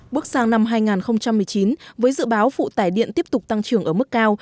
bước sang năm hai nghìn một mươi chín với dự báo phụ tải điện tiếp tục tăng trưởng ở mức cao